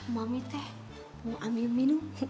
mami teh mau ambil minum